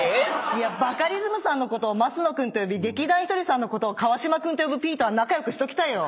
バカリズムさんのことを升野君と呼び劇団ひとりさんのことを川島君と呼ぶＰとは仲良くしときたいよ。